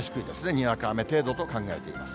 にわか雨程度と考えています。